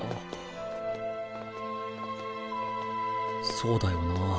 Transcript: そうだよな